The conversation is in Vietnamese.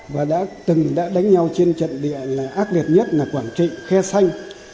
và đã từng đã đánh nhau trên trận địa là ác liệt nhất là quảng trị khe xanh